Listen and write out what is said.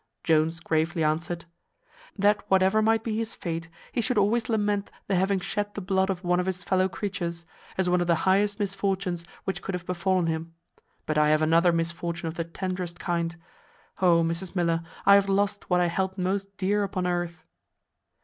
Jones gravely answered, "That whatever might be his fate, he should always lament the having shed the blood of one of his fellow creatures, as one of the highest misfortunes which could have befallen him. But I have another misfortune of the tenderest kind O! Mrs Miller, I have lost what I held most dear upon earth."